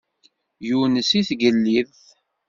Yunez i tgellidt.